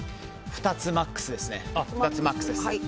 ２つがマックスです。